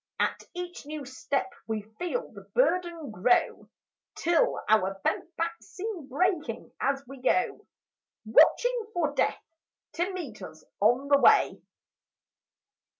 At each new step we feel the burden grow, Till our bent backs seem breaking as we go, Watching for Death to meet us on the way.